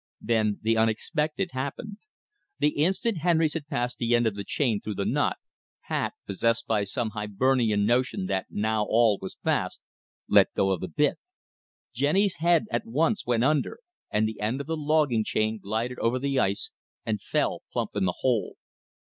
Then the unexpected happened. The instant Henrys had passed the end of the chain through the knot, Pat, possessed by some Hibernian notion that now all was fast, let go of the bit. Jenny's head at once went under, and the end of the logging chain glided over the ice and fell plump in the hole.